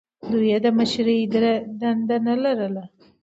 دوی یې د مشرۍ دنده نه لرله.